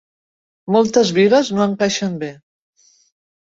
Moltes bigues no encaixen bé.